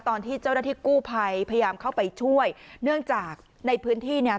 ตอนที่เจ้าหน้าที่กู้ภัยพยายามเข้าไปช่วยเนื่องจากในพื้นที่เนี่ย